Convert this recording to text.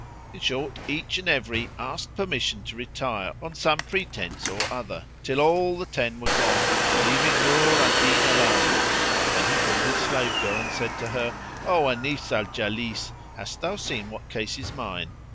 "[FN#26] In short each and every asked permission to retire on some pretence or other, till all the ten were gone leaving Nur al Din alone. Then he called his slave girl and said to her, "O Anis al Jalis, hast thou seen what case is mine?"